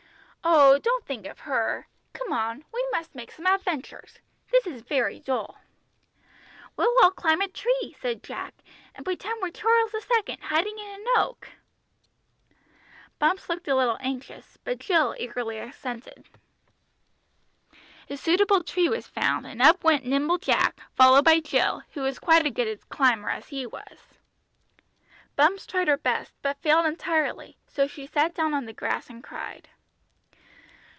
"Oh, don't think of her. Come on, we must make some adventures. This is very dull." "We'll all climb a tree," said Jack, "and pretend we're Charles II. hiding in an oak." Bumps looked a little anxious, but Jill eagerly assented. A suitable tree was found, and up went nimble Jack, followed by Jill, who was quite as good a climber as he was. Bumps tried her best, but failed entirely, so she sat down on the grass and cried.